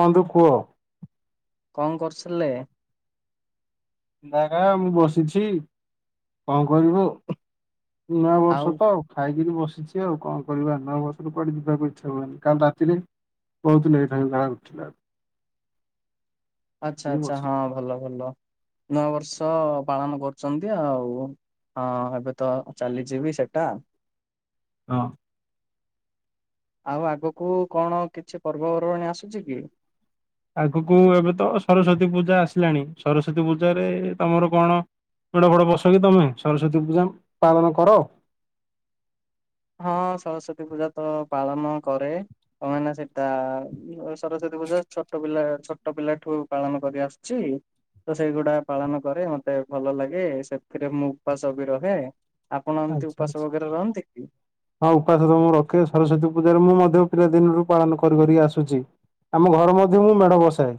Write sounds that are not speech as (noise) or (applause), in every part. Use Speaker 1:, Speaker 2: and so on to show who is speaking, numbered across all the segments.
Speaker 1: ବନ୍ଧୁ କୁହ।
Speaker 2: କଣ କରୁଥିଲେ।
Speaker 1: ଦାଦା ମୁଁ ବସିଛି କଣ କରିବୁ ନୂଆ
Speaker 2: ଆଉ
Speaker 1: ବର୍ଷ ତ ଖାଇକିରି ବସିଛି ଆଉ କଣ କରିବା ନୂଆ ବର୍ଷ କୁଆଡେ ଯିବାକୁ ଇଚ୍ଛା ହୁଏନି କାଲି ରାତିରେ ବହୁତ ଲେଟ୍ ହେଇଗଲା ଉଠିଲା
Speaker 2: ଆଚ୍ଛା
Speaker 1: ଏଇ
Speaker 2: ଆଚ୍ଛା
Speaker 1: ବସିଛି।
Speaker 2: ହଁ ଭଲ ଭଲ ନୂଆବର୍ଷ ପାଳନ କରୁଛନ୍ତି ଆଉ ହଁ ଏବେ ତ ଚାଲିଯିବି ସେଟା।
Speaker 1: ହଁ।
Speaker 2: ଆଉ ଆଗକୁ କଣ କିଛି ପର୍ବପର୍ବାଣିୀ ଆସୁଛି କି?
Speaker 1: ଆଗକୁ ଏବେ ତ ସରସ୍ଵତୀ ପୂଜା ଆସିଲାଣି ସରସ୍ଵତୀ ପୂଜାରେ ତମର କଣ? ମେଢ ଫଡ଼ ବସକି ତମେ ସରସ୍ଵତୀ ପୂଜା ପାଳନ କର।
Speaker 2: ହଁ ସରସ୍ଵତୀ ପୂଜା ତ ପାଳନ କରେ। ହଉ ମାନେ ସେଇଟା ସରସ୍ଵତୀ ପୂଜା ଛୋଟ ପିଲା ଛୋଟ ପିଲା ଠୁ ପାଳନ କରି ଆସୁଛି। ତ ସେଇଗୁଡା ପାଳନ କରେ ମତେ ଭଲ ଲାଗେ। ସେଥିରେ ମୁଁ ଉପବାସ ବି ରହେ। ଆପଣ ଏମିତି
Speaker 1: ଆଚ୍ଛା
Speaker 2: ଉପାସ
Speaker 1: ଆଚ୍ଛା
Speaker 2: ବଗରା ରହନ୍ତି? କି?
Speaker 1: ହଁ ଉପାସ ତ ମୁଁ ରଖେ। ସରସ୍ଵତୀ ପୂଜାରେ ମୁଁ ମଧ୍ୟ ପିଲା ଦିନରୁ ପାଳନ କରିି କରି ଆସୁଛି। ଆମ ଘର ମଧ୍ୟ ମୁଁ ମେଢ ବସାଏ।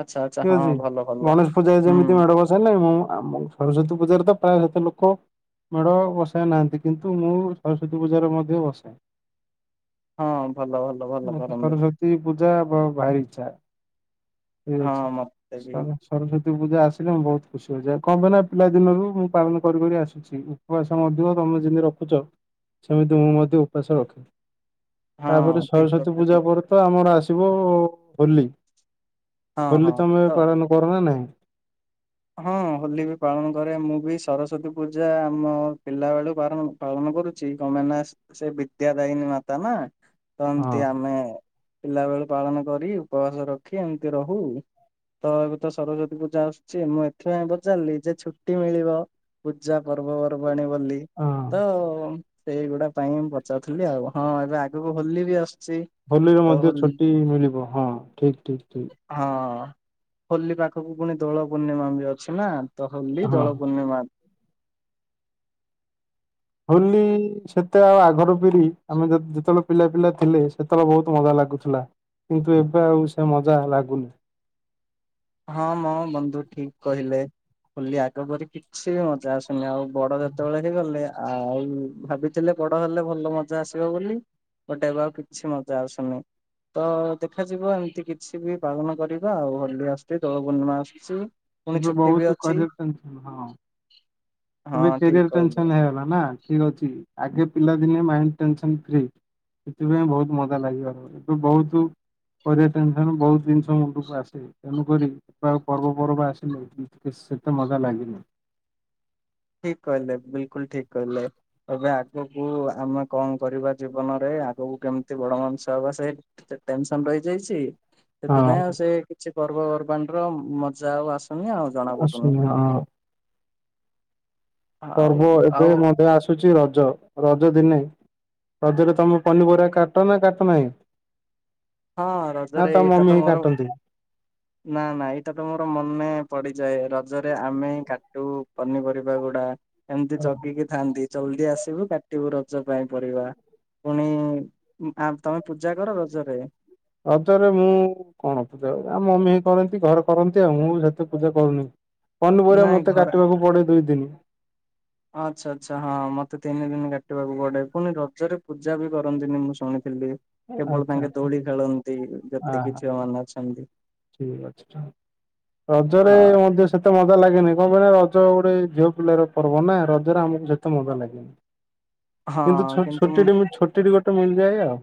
Speaker 2: ଆଚ୍ଛା ଆଚ୍ଛା
Speaker 1: ଠିକ
Speaker 2: ହଁ
Speaker 1: ଅଛି।
Speaker 2: ଭଲ ଭଲ
Speaker 1: ଗଣେଶ ପୂଜା
Speaker 2: ହୁଁ।
Speaker 1: ଯେମିତି ମେଢ ବସ ହେଲେ ମୁଁ ଆମ ସରସ୍ଵତୀ ପୂଜାରେ ତ ପ୍ରାୟ ସେତେ ଲୋକ ମେଢ ବସାଇ ନାହାନ୍ତି। କିନ୍ତୁ ମୁଁ ସରସ୍ଵତୀ ପୂଜାରେ ମଧ୍ୟ ବସାଏ।
Speaker 2: ହଁ ଭଲ ଭଲ ଭଲ
Speaker 1: ମତେ
Speaker 2: କରନ୍ତି
Speaker 1: ସରସ୍ଵତୀ ପୂଜା ବ ଭାରି ଇଚ୍ଛା। ଠିକ
Speaker 2: ହଁ
Speaker 1: ଅଛି,
Speaker 2: ମତେ ବି
Speaker 1: ଚାଲ। ସରସ୍ଵତୀ ପୂଜା ଆସିଲେ ମୁଁ ବହୁତ ଖୁସି ହୋଇଯାଏ। କଣ ପାଇଁ ନା ପିଲା ଦିନରୁ ମୁଁ ପାଳନ କରିି କରି ଆସୁ ଛି। ଉପବାସ ମଧ୍ୟ ତମେ ଯେମତି ରଖୁଛ, ସେମିତି ମୁଁ ମଧ୍ୟ ଉପବାସ ରଖେ।
Speaker 2: ହଁ
Speaker 1: ତାପରେ
Speaker 2: ଠିକ
Speaker 1: ସରସ୍ଵତୀ
Speaker 2: କଥା
Speaker 1: ପୂଜା
Speaker 2: ଠିକ
Speaker 1: ପରେ ତ ଆମର ଆସିବ ହୋଲି।
Speaker 2: ହଁ ହଁ
Speaker 1: ହୋଲି ତମେ
Speaker 2: ତ
Speaker 1: ପାଳନ କର ନା ନାଇଁ?
Speaker 2: ହଁ ହୋଲି ବି ପାଳନ କରେ ମୁଁ ବି ସରସ୍ଵତୀ ପୂଜା ଆମ ପିଲା ବେଳୁ ପାରଣ ପାଳନ କରୁଛି, କଣ ପାଇଁ ନା ସ ସେ ବିଦ୍ୟା ଦାୟନୀ ମାତା ନା ତ
Speaker 1: ହଁ
Speaker 2: ଏମତି ଆମେ ପିଲା ବେଳୁ ପାଳନ କରି ଉପବାସ ରଖି ଏମିତି ରହୁ। ତ ଏବେ ତ ସରସ୍ଵତୀ ପୂଜା ଆସଛ ଛି, ଯେ ମୁଁ ଏଥିପାଇଁ ପଚାରଲି ଯେ, ଛୁଟି ମିଳିବ ପୂଜା ପର୍ବ ପର୍ବାଣୀ ବୋଲି
Speaker 1: ହଁ।
Speaker 2: ତ ସେଇଗୁଡା ପାଇଁଁ ମୁଁ ପଚାରୁଥିଲି ଆଉ, ହଁ ଏବେ ଆଗକୁ ହୋଲି ବି ଆସୁଛି।
Speaker 1: ହୋଲିରେ
Speaker 2: ତ
Speaker 1: ମଧ୍ୟ
Speaker 2: ହୋଲି
Speaker 1: ଛୁଟି ମିଳିବ, ହଁ ଠିକ, ଠିକ, ଠିକ।
Speaker 2: ହଁ ହୋଲି ପାଖକୁ ପୁଣି ଦୋଳ ପୂର୍ଣ୍ଣିମା ବି ଅଛି ନା? ତ ହୋଲି
Speaker 1: ହଁ
Speaker 2: ଦୋଳ ପୂର୍ଣ୍ଣିମା
Speaker 1: ହୋଲି ସେତେ ଆଉ ଆଗରୁ ପିରି ଆମେ ଯେତ ଯେତେବେଳେ ପିଲା ପିଲା ଥିଲେ, ସେତେବେଳେ ବହୁତ ମଜା ଲାଗୁଥିଲା। କିନ୍ତୁ, ଏବେ ଆଉ ସେ ମଜା ହେଲା ଲାଗୁନି।
Speaker 2: ହଁ ମ ବନ୍ଧୁ ଠିକ୍ କହିଲେ, ହୋଲି ଆଗପରି କିଛି ବି ମଜା ଆସୁନି ଆଉ ବଡ ଯେତେବେଳେ ହେଇଗଲେ ଆଉ, ଭାବିଥିଲେ ବଡ ହେଲେ ଭଲ ମଜା ଆସିବ ବୋଲି ଗୋଟେବାକ୍ ଆଉ କିଛି ମଜା ଆସୁନି। ତ ଦେଖାଯିବ ଏମିତି କିଛି ବି ପାଳନ କରିବା ଆଉ, ହୋଲି ଆସୁଛି, ଦୋଳ ପୂର୍ଣ୍ଣିମା ଆସୁଛି। ପୁଣି
Speaker 1: ଏବେ
Speaker 2: ଛୁଟି ବି
Speaker 1: ବହୁତ
Speaker 2: ଅଛି
Speaker 1: କରପସନ, (unintelligible) ହଁ
Speaker 2: ହଁ
Speaker 1: ଏବେ
Speaker 2: ଠିକ
Speaker 1: କେରିୟର
Speaker 2: କହିଲେ।
Speaker 1: ଟେନସନ ହେଇଗଲା ନା, ଠିକ ଅଛି। ଆଗେ ପିଲାଦିନେ ମାଇଣ୍ଡ ଟେନସନ ଫ୍ରି। ସେଥିପାଇଁ ବହୁତ ମଜା ଲାଗିବାର ଏଠୁ ବହୁତୁ ଏପରି ଟେନସନ ବହୁତ ଜିନିଷ ମୁଣ୍ଡକୁ ଆସେ ତେଣୁକରି ଆଉ ପର୍ବ ପର୍ବା ଆସ (unintelligible) ସେତେ ମଜା ଲାଗିନି।
Speaker 2: ଠିକ କହିଲେ, ବିଲକୁଲ ଠିକ କ‌ହିଲେ। ଏବେ ଆଗକୁ ଆମେ କଣ କରିବା ଜୀବନରେ? ଆଗକୁ କେମିତି ବଡ ମଣିଷ ହବା ସେ ସେ ଟେନସନ ରହିଯାଇଚି।
Speaker 1: ହଁ
Speaker 2: ସେଥିପାଇଁ ଆଉ ସେ କିଛି ପର୍ବପର୍ବାଣିର ମଜା ଆଉ ଆସୁନି ଆଉ। ଜଣା ପଡୁନି।
Speaker 1: ଆସୁନି ହଁ।
Speaker 2: ଆଉ
Speaker 1: ପର୍ବ ଏବେ
Speaker 2: ଆଉ
Speaker 1: ମଧ୍ୟ ଆସୁଛି ରଜ, ରଜ ଦିନେ ରଜରେ ତମେ ପନିପରିବା କାଟ ନା କାଟ ନାହିଁ?
Speaker 2: ହଁ
Speaker 1: ନା
Speaker 2: ରଜରେ
Speaker 1: ତା
Speaker 2: ଏଇଟା
Speaker 1: ମମି
Speaker 2: ତ
Speaker 1: ହିଁ
Speaker 2: ମୋର
Speaker 1: କାଟନ୍ତି?
Speaker 2: ନା, ନା ଏଇଟା ତ ମୋର ମନେ ପଡିଯାଏ ରଜରେ ଆମେ କାଟୁ ପନିପରିବା ଗୁଡା ଏମିତି ଜଗିକି ଥାଆନ୍ତି ଜଲଦି ଆସିବୁ, କାଟିବୁ ରଜ ପାଇଁ ପରିବା। ପୁଣି, ଆ ତମେ ପୂଜା କର ରଜରେ?
Speaker 1: ରଜରେ ମୁଁ କଣ ପୂଜାହୁଏ? ଆମ ମମିହିଁ କରନ୍ତି ଘରେ କରନ୍ତି ଆଉ ମୁଁ ବି ହେତେ ପୂଜା କରୁନି। ପନିପରିବା
Speaker 2: ନାଇଁ
Speaker 1: ମତେ
Speaker 2: ଘରେ
Speaker 1: କାଟିବାକୁ ପଡେ ଦୁଇ ଦିନି।
Speaker 2: ଆଚ୍ଛା ଆଚ୍ଛା ହଁ ମତେ ତିନି ଦିନି କାଟିବାକୁ ପଡେ, ପୁଣି ରଜରେ ପୂଜା ବି କରନ୍ତିନି ମୁଁ ଶୁଣିଥିଲି। କେବଳ
Speaker 1: ଆଚ୍ଛା।
Speaker 2: ତାଙ୍କେ ଦୋଳିଖେଳନ୍ତି
Speaker 1: ଆହା
Speaker 2: ଯେତିକି ଝିଅମାନେ ଅଛନ୍ତି।
Speaker 1: ଠିକ ଅଛିସାଙ୍ଗ ରଜରେ
Speaker 2: ଆ
Speaker 1: ମତେ ସେତେ ମଜା ଲାଗେନି, କଣ ପାଇଁ ନା ରଜ ଗୋଟେ ଝିଅ ପିଲାର ପର୍ବ ନା ରଜରେ ଆମକୁସେତେ ମଜାଲାଗେ
Speaker 2: (inaudible)
Speaker 1: କିନ୍ତୁ
Speaker 2: ହଁ
Speaker 1: ଛୁ
Speaker 2: ମୁଁ
Speaker 1: ଛୁଟି ଛୁଟିରୁ ଗୋଟେ ମିଳିଯାଏ ଆଉ।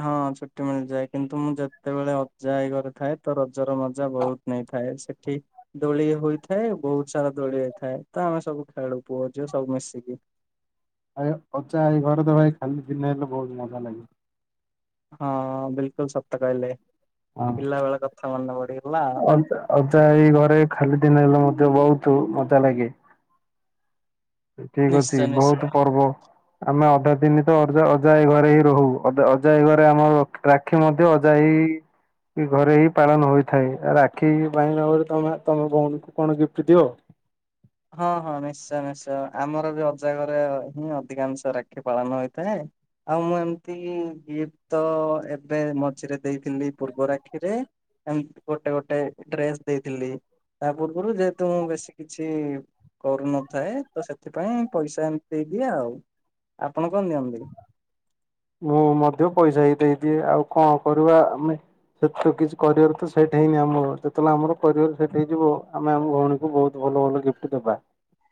Speaker 2: ହଁ ଛୁଟି ମିଳିଯାଏ, କିନ୍ତୁ ମୁଁ ଯେତେବେଳେ ଅଜା, ଆଇ ଘରେ ଥାଏ ତ ରଜର ମଜା ବହୁତ ନେଇଥାଏ, ସେଠି ଦୋଳି ହୋଇଥାଏ, ବହୁତ ସାରା ଦୋଳି ହେଇଥାଏ ତ ଆମେ ସବୁ ଖେଳୁ ପୁଅ ଝିଅ ସବୁ ମିଶିକି।
Speaker 1: ଆ ଅଜା ଆଈ ଘରେ ତ ଭାଇ ଖାଲି ଦିନେ ହେଲେ ବହୁତ ମଜା ଲାଗେ।
Speaker 2: ହଁ ବିଲକୁଲ ସତ କହିଲେ
Speaker 1: ହଁ।
Speaker 2: ପିଲାବେଳ କଥା ମନେ ପଡିଗଲା।
Speaker 1: ଅଜା ଅଜା ଆଇ ଘରେ ଖାଲି ଦିନ ହେଲେ ମଧ୍ୟ ବହୁତ ମଜା ଲାଗେ। ଠିକ ଅଛି,
Speaker 2: ନିଶ୍ଚୟ ନିଶ୍ଚୟ।
Speaker 1: ବହୁତୁ ପର୍ବ। ଆମେ ଅଧା ଦିନି ତ ଅଜାଆଈ ଘରେ ହିଁ ରହୁ, ଅଜା, ଆଇ ଘରେ ଆମରାକ୍ଷୀ ମଧ୍ୟ ଅଜାଆଈ କି ଘରେ ହିଁ ପାଳନ ହୋଇଥାଏ ରାକ୍ଷୀ ପାଇଁ ନଗଲେ ତମେ ତମ ଭଉଣୀଙ୍କୁ କଣ ଗିଫ୍ଟ ଦିଅ?
Speaker 2: ହଁ ହଁ ନିଶ୍ଚୟ, ନିଶ୍ଚୟ ଆମର ବି ଅଜାଘରେ ହିଁ ଅଧିକାଂଶ ରାକ୍ଷୀ ପାଳନ ହୋଇଥାଏ। ଆଉ ମୁଁ ଏମିତି ଗିଫ୍ଟ ତ ଏବେ ମଝିରେ ଦେଇଥିଲି ପୂର୍ବ ରାକ୍ଷୀରେ ଏମତିଗୋଟେ ଗୋଟେ ଡ୍ରେସ ଦେଇଥିଲି ତା ପୂର୍ବରୁ ଯେହେତୁ ମୁଁ ବେଶୀ କିଛି କରୁନଥାଏ ତ ସେଥିପାଇଁ ପଇସା ଏମିତି ଦେଇଦିଏ ଆଉ। ଆପଣ କଣ ଦିଅନ୍ତି?
Speaker 1: ମୁଁ ମଧ୍ୟ ପଇସା ହି ଦେଇଦିଏ ଆଉ କଣ କରିବା ଆମେ। ସେତ ତ କିଛି କରିଆର ତ ସେଇଟା ହିଁ ନିୟମ ଯେତେବେଳେ ଆମର କରିଅର ସେଟ୍ ହେଇଯିବ ଆମେ ଆମ ଭଉଣୀକୁ ବହୁତ ଭଲ ଭଲ ଗିଫ୍ଟ ଦେବା।
Speaker 2: ହ (inaudible)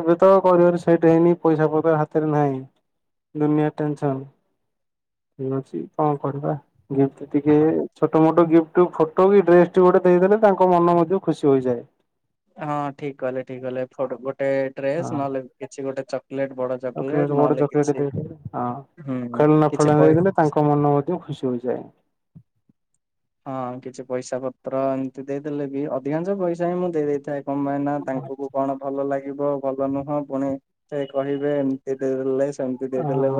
Speaker 1: ଏବେ ତ କରିବାର ସେଟ ହେଇନି ପଇସା ପତ୍ର ହାତରେ ନାହିଁ ଦୁନିଆ ଟେନସନ ଠିକ ଅଛି କଣ କରିବା ଗିଫ୍ଟ ଟିକେ
Speaker 2: ହଁ
Speaker 1: ଛୋଟ ମୋଟ ଗିଫ୍ଟ ଫଟୋ କି ଡ୍ରେସ ଟି ଗୋଟେ ଦେଇଦଲେ ତାଙ୍କ ମନ ମଧ୍ୟ ଖୁସି ହୋଇଯାଏ।
Speaker 2: ହଁ ଠିକ କହିଲେ ଠିକ କହିଲେ ଗୋଟେ ଡ୍ରେସ ନହେଲେ କିଛି ଗୋଟେ ଚକଲେଟ ବଡ ଚକୋଲେଟ
Speaker 1: ଚକଲେଟ ବଡ଼
Speaker 2: ନହେଲେ
Speaker 1: ଚକଲେଟ
Speaker 2: କିଛି
Speaker 1: ଦେଇଦେଲେ ହଁ
Speaker 2: ହୁଁ।
Speaker 1: ଖେଳନା
Speaker 2: କିଛି
Speaker 1: ଫେଳନା ଦେଇଦେଲେ
Speaker 2: ପଇ
Speaker 1: ତାଙ୍କ ମନ ମଧ୍ୟ ଖୁସି ହୋଇଯାଏ।
Speaker 2: ହଁ କିଛି ପଇସା ପତ୍ର ଏମିତି ଦେଇଦେଲେ ବି ଅଧିକାଂଶ ପଇସା ହିଁ ମୁଁ ଦେଇଥାଏ। କଣପାଇଁ ନା ତାଙ୍କୁଙ୍କୁ କଣ ଭଲ ଲାଗିବ ଭଲ ନୁହଁ ପୁଣି ସେ କହିବେ ଏମିତି ଦେଇଦେଲେ ସେମତି
Speaker 1: ଓହ ହଁ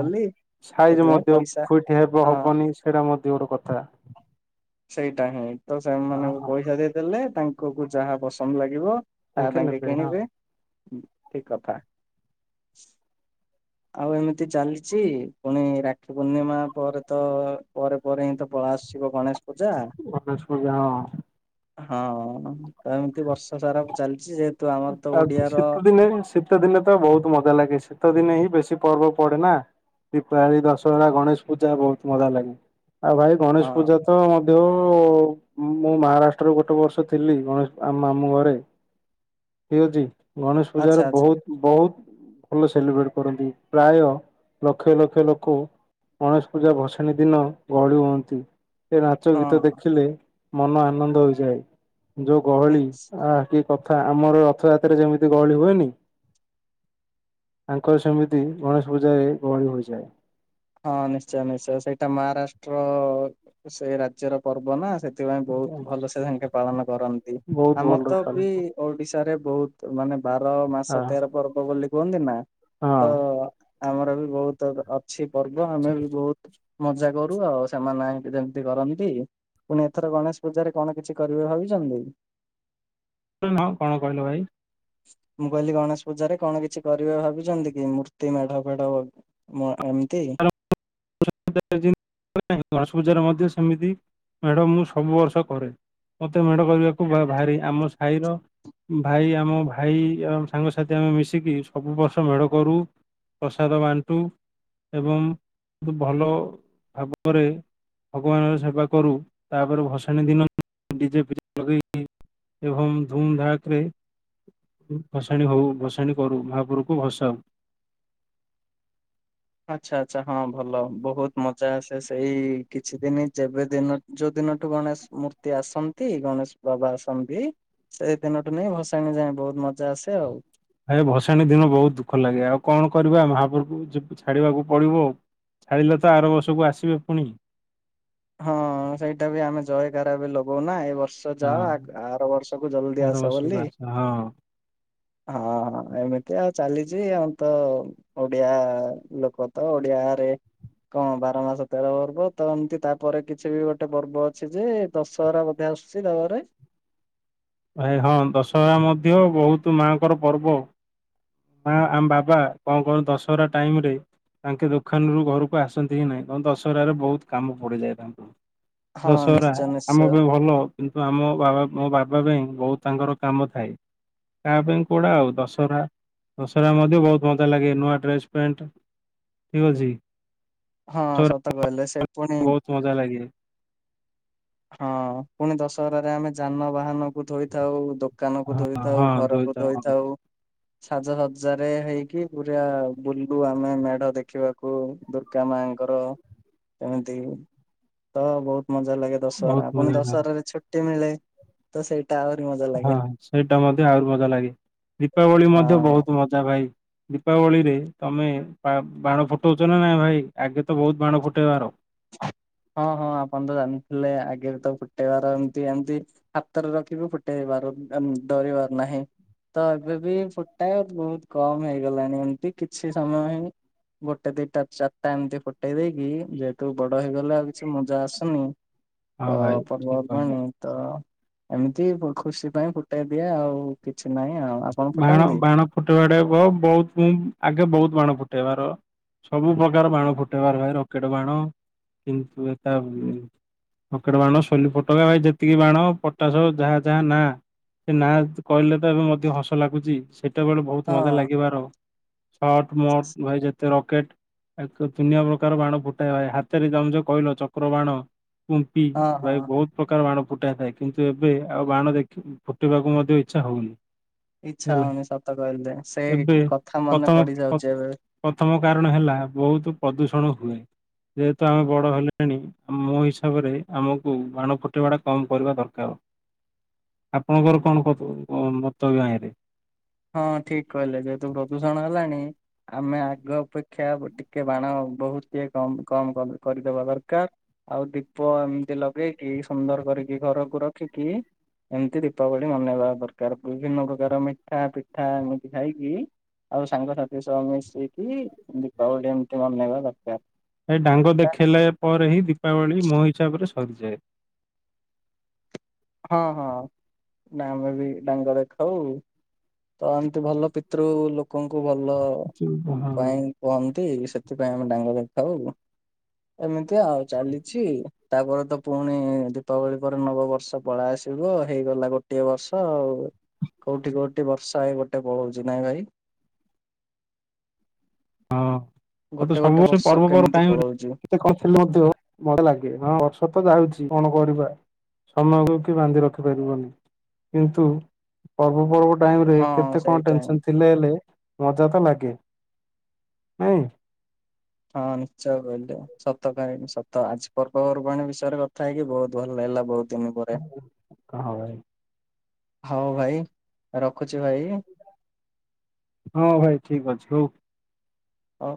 Speaker 1: ସାଇଜ ମଧ୍ୟ
Speaker 2: ପଇସା
Speaker 1: କଉଠି ହେବ
Speaker 2: ହଁ
Speaker 1: ହବନି ସେଇଟା ମଧ୍ୟ ଗୋଟେ କଥା।
Speaker 2: ସେଇଟା ହିଁ ତ ସେମାନଙ୍କୁ
Speaker 1: ଓହୋ।
Speaker 2: ପଇସା ଦେଇଦେଲେ ତାଙ୍କୁ କୁ ଯାହା ପସନ୍ଦ ଲାଗିବ ତା ତାଙ୍କେ
Speaker 1: ନେବେ ହଁ
Speaker 2: କିଣିବେ ଠିକ କଥା। ଆଉ ଏମିତି ଚାଲିଛି ପୁଣି ରାକ୍ଷୀ ପୂର୍ଣ୍ଣିମା ପରେ ତ ପରେ ପରେ ହିଁ ତ ପଳେଇ ଆସିବ ଗଣେଶ ପୂଜା
Speaker 1: ଗଣେଶ ପୂଜା ହଁ।
Speaker 2: ହଁ ତ ଏମିତି ବର୍ଷ ସାରା ଚାଲିଛି ଯେହତ
Speaker 1: ଆ ଉ ଶୀତଦିନେ ହିଁ ସେ ଶୀତ ଦିନେ ତ ବୋହୁତ ମଜା ଲାଗେ ଶୀତ ଦିନେ ହିଁ ବେଶୀ ପର୍ବ ପଡେ ନା। ଦୀପାବଳି ଦଶହରା ଗଣେଶ ପୂଜା ବୋହୁତ ମଜା ଲାଗେ ଆଉ ଭାଇ ଗଣେଶ
Speaker 2: ହଁ
Speaker 1: ପୂଜା ତ ମଧ୍ୟୋ ମୁଁ ମହାରାଷ୍ଟ୍ରରୁ ଗୋଟେ ବର୍ଷ ଥିଲି ଗଣେଶ ଆମ ମାମୁ ଘରେ ଠିକ ଅଛି ଗଣେଶ
Speaker 2: ଆଚ୍ଛା
Speaker 1: ପୂଜାରେ
Speaker 2: ଆଚ୍ଛା
Speaker 1: ବହୁତ ବହୁତ ଭଲ ସେଲିବ୍ରେଟ କରନ୍ତି। ପ୍ରାୟ ଲକ୍ଷ ଲକ୍ଷ ଲୋକ ଗଣେଶ ପୂଜା ଭସାଣୀ ଦିନ ଗହଳି ହୁଅନ୍ତି। ସେ ନାଚ
Speaker 2: ହଁ
Speaker 1: ଗୀତ ଦେଖିଲେ ମନ ଆନନ୍ଦ ହୋଇଯାଏ। ଯୋଉ ଗହଳି
Speaker 2: ନିଶ୍
Speaker 1: ଆ କି କଥା ଆମର ରଥଯାତ୍ରାରେ ଯେମିତି ଗହଳି ହୁଏନି। ତାଙ୍କର ସେମିତି ଗଣେଶ ପୂଜାରେ ଗହଳି ହୋଇଯାଏ।
Speaker 2: ହଁ ନିଶ୍ଚୟ ନିଶ୍ଚୟ ସେଇଟା ମହାରାଷ୍ଟ୍ର ସେଇ ରାଜ୍ୟର ପର୍ବ ନା ସେ ସେଥିପାଇଁ ବହୁତ ଭଲ ସେ ଧାଙ୍କେ ପାଳନ କରନ୍ତି।
Speaker 1: ବହୁତ
Speaker 2: ଆମର
Speaker 1: ଭଲ
Speaker 2: ତ ବି
Speaker 1: ପାଳିତ
Speaker 2: ଓଡିଶାରେ ବୋହୁତ ମାନେ ବାର
Speaker 1: ହଁ
Speaker 2: ମାସ ତେର ପର୍ବ ବୋଲି କୁହନ୍ତି ନା ତ
Speaker 1: ହଁ
Speaker 2: ଆମର ବି ବହୁତ ଅ ଅଛି ପର୍ବ ଆମେ ବି ବୋହୁତ ମଜା କରୁ ଆଉ ସେମାନେ ହାଁକି ଯେମିତି କରନ୍ତି। ପୁଣି ଏଥର ଗଣେଶ ପୂଜାରେ କଣ କିଛି କରିବେ ଭାବିଛନ୍ତି।
Speaker 1: କଣ କହିଲ ଭାଇ?
Speaker 2: ମୁଁ କହିଲି ଗଣେଶ ପୂଜାରେ କଣ କିଛି କରିବେ ଭାବିଛନ୍ତି କି ମୂର୍ତ୍ତି ମେଢ ଫେଢ ମଁ ଏମିତି।
Speaker 1: (inaudible) ଗଣେଶ ପୂଜାରେ ମଧ୍ୟ ସେମିତି ମେଡ଼ ମୁଁ ସବୁ ବର୍ଷ କରେ। ମତେ ମେଢ କରିବାକୁ ଭ ଭାରି ଆମ ସାହିର ଭାଇ ଆମ ଭାଇ ଆ ସାଙ୍ଗସାଥି ଆମେ ମିଶିକି ସବୁ ବର୍ଷ ମେଢ କରୁ ପ୍ରସାଦ ବାଣ୍ଟୁ ଏବଂ ଖୁବ୍ ଭଲ ଭାବରେ ଭଗବାନଙ୍କର ସେବା କରୁ ତାପରେ ଭସାଣି ଦିନ ଡିଜେ ପିଜେ ଲଗେଇକି ଏବଂ ଧୁମଧାକରେ ଭସାଣି ହଉ ଭସାଣି କରୁ ମହାପୁରୁକୁ ଭସାଉ।
Speaker 2: ଆଛା ଆଚ୍ଛା ହଁ ଭଲ ବହୁତ ମଜା ଆସେ ସେଇ କିଛି ଦିନ ଯେବେ ଦିନ ଯୋଉ ଦିନଠୁ ଗଣେଶ ମୂର୍ତ୍ତି ଆସନ୍ତି ଗଣେଶ ବାବା ଆସନ୍ତି ସେଇ ଦିନ ଟୁ ନି ଭସାଣି ଯାଏ ବହୁତ ମଜା ଆସେ ଆଉ।
Speaker 1: ଭାଇ ଭସାଣି ଦିନ ବୋହୁତ ଦୁଃଖ ଲାଗେ ଆଉ କଣ କରିବା ମହାପ୍ରଭୁ ଯିବୁ ଛାଡିବାକୁ ପଡିବ ଆଉ। ଛାଡ଼ିଲେ ତ ଆର ବର୍ଷକୁ ଆସିବେ ପୁଣି ‌।
Speaker 2: ହଁ ସେଇଟା ବି ଆମେ ଜୟଗାରା ବି ଲଗଉନା ଏଇ ବର୍ଷ
Speaker 1: ହଁ
Speaker 2: ଯାଅ ଆ ଆର ବର୍ଷକୁୁ ଜଲଦି
Speaker 1: ଆର
Speaker 2: ଆସ
Speaker 1: ବର୍ଷକୁ
Speaker 2: ବୋଲି।
Speaker 1: ହଁ
Speaker 2: ହଁ ହଁ ଏମିତି ଆଉ ଚାଲିଛି ଆ ତ ଓଡିଆ ଲୋକ ତ ଓଡିଆରେ କଣ ବାର ମାସ ତେର ପର୍ବ ତ ଏମିତି ତା ପରେ କିଛି ବି ଗୋଟେ ପର୍ବ ଅଛି ଯେ ଦଶହରା ବଧେ ଆସୁଛି ତା ପରେ?
Speaker 1: ଭାଇ ହଁ ଦଶହରା ମଧ୍ୟ ବୋହୁତ ମାଆଙ୍କର ପର୍ବ। ମା ଆମ ବାବା କଣ କଣ ଦଶହରା ଟାଇମ ରେ ତାଙ୍କେ ଦୋକାନରୁୁ ଘରକୁ ଆସନ୍ତି ହିଁ ନାହିଁ କାରଣ ଦଶହରା ରେ ବୋହୁତ କାମ ପଡିଯାଏ ତାଙ୍କୁ।
Speaker 2: ହଁ
Speaker 1: ଦଶହରା
Speaker 2: ନିଶ୍ଚୟ
Speaker 1: ଆମ
Speaker 2: ନିଶ୍ଚୟ।
Speaker 1: ପାଇଁ ଭଲ କିନ୍ତୁ ଆମ ବାବା ମୋ ବାବା ପାଇଁ ବୋହୁତ ତାଙ୍କର କାମ ଥାଏ। କା ପାଇଁ କୋଉଡା ଆଉ ଦଶହରା ଦଶହରା ମଧ୍ୟ ବହୁତ ମଜା ଲାଗେ ନୂଆ ଡ୍ରେସ୍ ପ୍ୟାଣ୍ଟ ଠିକ୍ ଅଛି।
Speaker 2: ହଁ
Speaker 1: ଦଶହରା
Speaker 2: ସତ କହିଲେ ସେ ପୁଣି
Speaker 1: ବହୁତ ମଜା ଲାଗେ।
Speaker 2: ହଁ ପୁଣି ଦଶହରାରେ ଆମେ ଯାନବାହାନ କୁ ଧୋଇଥାଉ ଦୋ କାନ କୁ
Speaker 1: ହଁ ହଁ
Speaker 2: ଧୋଇଥାଉ ଘରକୁ
Speaker 1: ଦୋଇତ ହଁ
Speaker 2: ଧୋଇଥାଉ। ସାଜସଜାରେ ହେଇକି ପୁରା ବୁଲୁ ଆମେ ମେଢ ଦେଖିବାକୁ ଦ ଗା ମାଙ୍କର ଏମିତି ତ ବୋହୁତ ମଜା ଲାଗେ। ଦଶହରା
Speaker 1: ବହୁତ
Speaker 2: ଆପଣ
Speaker 1: ମଜା ଲାଗେ
Speaker 2: ଦଶହରାରେ ଛୁଟି ମିଳେ ତ ସେଇଟା ଆହୁରି ମ
Speaker 1: ହଁ ସେଇଟା ମଧ୍ୟ ଆହୁରି ମଜା ଲାଗେ ଦୀପାବଳି ମଧ୍ୟ
Speaker 2: ହଁ।
Speaker 1: ବୋହୁତ ମଜା ଭାଇ। ଦୀପାବଳିରେ ତମେ ବା ବାଣ ଫୁଟୋଉଚ ନା ନାଇଁ ଭାଇ ଆଗେ ତ ବୋହୁତ ବାଣ ଫୁଟେଇବାର।
Speaker 2: ହଁ ହଁ ଆପଣ ତ ଜାଣିଥିଲେ ଆଗରେ ତ ଫୁଟେଇବାର ଏମିତି ଏମତି। ହାତରେ ରଖିବୁ ଫୁଟେଇବାର ଡରିବାର ନାହିଁ। ତ ଏବେ ବି ଫୁଟାଏ ବୋହୁତ କମ ହେଇଗଲାଣି ଏମିତି କିଛି ସମୟ ହିଁ ଗୋଟେ ଦିଟା ଚାରିଟା ଏମିତି ଫୁଟେଇ ଦେଇକି ଯେ ତୁ ବଡ ହେଇଗଲେ ଆଉ କିଛି ମଜା ଆସୁନି
Speaker 1: ହଁ
Speaker 2: ତ
Speaker 1: ଭାଇ ଠିକ କହିଲ
Speaker 2: ପର୍ବର୍ବାଣି। ତ ଏମିତି ଖୁସି ପାଇଁ ଫୁଟାଇ ଦିଏ ଆଉ କିଛି ନାହିଁ ଆଉ ଆପଣ ଫୁଟାନ୍ତି।
Speaker 1: ଫୁଟେଇବାଟେ କ ବହୁତ ମୁ ଆଗେ ବୋହୁତ ବାଣ ଫୁଟେଇବାର। ସବୁ ପ୍ରକାର ବାଣ ଫୁଟେଇବାର ଭାଇ ରକେଟେ ବାଣ କିନ୍ତୁ ଏଟା ପକେଟ ବାଣ ସୋଲି ଫୋଟକା ଭାଇ ଯେତିକି ବାଣ ପଟାସ ଯାହା ଯାହା ନା। ସେ ନାଁ କହିଲେ ତ ଏବେ ମଧ୍ୟ ହସ ଲାଗୁଚି ସେଇଟା ବେଳେ ବୋହୁତ
Speaker 2: ହଁ
Speaker 1: ମଜା ଲାଗିବାର। ସଟ ମଟ ଭାଇ ଯେତେ ରକେଟ। ଆ ଦୁନିଆ ପ୍ରକାର ବାଣ ଫୁଟାଇବା ହାତରେ ଜମ ଯେ କହିଲ ଚକ୍ର ବାଣ। କୁମ୍ପି
Speaker 2: ହଁ ହଁ
Speaker 1: ଭାଇ ବୋହୁତ। ପ୍ରକାର ବାଣ ଫୁଟାଇ ଥାଏ କିନ୍ତୁ ଏବେ ଆଉ ବାଣ ଦେଖି ଫୁଟିବାକୁ ମଧ୍ୟ ଇଚ୍ଛା ହୋଉନି।
Speaker 2: ଇଛା ହଉନି ସତ କହିଲେ ସେ
Speaker 1: ଏବେ
Speaker 2: କଥା ମନେ
Speaker 1: ପ୍ରଥମ
Speaker 2: ପଡିଯାଉଛି ଏବେ।
Speaker 1: ପ୍ରଥମ କାରଣ ହେଲା ବୋହୁତ ପ୍ରଦୂଷଣ ହୁଏ ଯେହେତୁ ଆମେ ବଡ଼ ହେଲେଣି ମୋ ହିସାବରେ ଆମକୁ ବାଣ ଫୁଟେଇବା ଟା କମ କରିବା ଦରକାର। ଆପଣଙ୍କର କଣ ପଫୁ କଣ ମତ (inaudible)
Speaker 2: ହଁ ଠିକ କହିଲେ ଯେହେତୁ ପ୍ରଦୂଷଣ ହେଲାଣି ଆମେ ଆଗ ଅପେକ୍ଷା ଟିକେ ବାଣ ବୋହୁତ ଟିକେ କମ କମ କରିଦବା ଦରକାର। ଆଉ ଦୀପ ଏମିତି ଲଗେଇକି ସୁନ୍ଦର କରିକି ଘରକୁ ରଖିକି ଏମିତି ଦୀପାବଳି ମନେଇବା ଦରକାର ବିଭିନ୍ନ ପ୍ରକାର ମିଠା ପିଠା ଏମିତି ଖାଇକି ଆଉ ସାଙ୍ଗସାଥି ସହ ମିଶିକି ଦୀପାବଳି ଏମିତି ମନେଇବା ଦରକାର।
Speaker 1: ଏ ଡାଙ୍ଗ ଦେଖେଇଲା ପରେ ହିଁ ଦୀପାବଳି ମୋ ହିସାବରେ ସରିଯାଏ।
Speaker 2: ହଁ ହଁ ନା ଆମେ ବି ଡାଙ୍ଗରେ ଖାଉ ତ ଏମିତି ଭଲ ପି ପିତ୍ରୁ ଲୋକଙ୍କୁ ଭଲ
Speaker 1: ହଁ ହଁ
Speaker 2: ପାଇଁ କୁହନ୍ତି ସେଥିପାଇଁ ଆମେ ଡାଙ୍ଗରେ ଖାଉ। ଏମିତି ଆଉ ଚାଲିଛି ତାପରେ ତ ପୁଣି ଦୀପାବଳି ପରେ ନବବର୍ଷ ପଳା ଆସିବ ହେଇଗଲା ଗୋଟିଏ ବର୍ଷ ଆଉ। କୋଉଠି କୋଉଠି ବର୍ଷା ହେଇ ଗୋଟେ ପଳଉଛି ନାଇଁ ଭାଇ।
Speaker 1: ହଁ ଆଉ ତୁ
Speaker 2: ଗୋଟେ ଗୋଟେ
Speaker 1: ସବୂବର୍ଷ
Speaker 2: ବର୍ଷ
Speaker 1: ପର୍ବ ପର୍ବା
Speaker 2: କେମିତି ପଳଉଛି।
Speaker 1: ଟାଇମରେ କହିଥିଲେ ମଧ୍ୟ ଭଲ ଲାଗେ ହଁ ବର୍ଷ ତ ଯାଉଛି କଣ କରିବା। ସମୟକୁ କି ବାନ୍ଧି ରଖିପାରିବନି କିନ୍ତୁ ପର୍ବପର୍ବ ଟାଇମରେ
Speaker 2: ହଁ
Speaker 1: କେତେ କଣ
Speaker 2: ସେଇଟା ହିଁ
Speaker 1: ଟେନସନ ଥିଲେ ହେଲେ ମଜା ତ ଲାଗେ। ନାଇଁ।
Speaker 2: ହଁ ନିଶ୍ଚୟ କହିଲେ ସତ କାହିଁକି ସତ ଆଜି ପର୍ବପର୍ବାଣି ବିଷୟରେ କଥା ହେଇକି ବୋହୁତ ଭଲ ଲାଗିଲା ବୋହୁତ। ଦିନ ପରେ
Speaker 1: ହଁ ଭାଇ
Speaker 2: ହଉ ଭାଇ ରଖୁଛି ଭାଇ।
Speaker 1: ହଁ ଭାଇ ଠିକ ଅଛି ହଉ।
Speaker 2: ଅ।